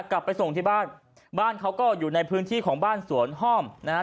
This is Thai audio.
กลับไปส่งที่บ้านบ้านเขาก็อยู่ในพื้นที่ของบ้านสวนห้อมนะฮะ